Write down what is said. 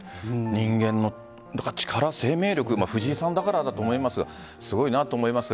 人間の力、生命力藤井さんだからだと思いますがすごいなと思います。